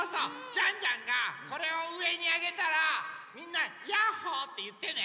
ジャンジャンがこれをうえにあげたらみんな「やっほー」っていってね。